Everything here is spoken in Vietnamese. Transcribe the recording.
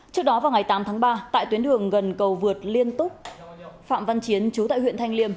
trước đó vào ngày tám tháng ba tại tuyến đường gần cầu vượt liên tục phạm văn chiến chú tại huyện thanh liêm